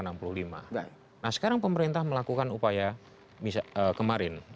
nah sekarang pemerintah melakukan upaya kemarin